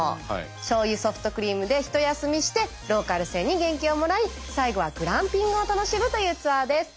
しょうゆソフトクリームでひと休みしてローカル線に元気をもらい最後はグランピングを楽しむというツアーです。